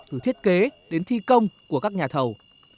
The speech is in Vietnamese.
từ thiết kế đến thi công của các nhà thầu